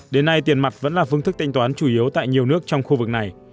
đến nay tiền mặt vẫn là phương thức thanh toán chủ yếu tại nhiều nước trong khu vực này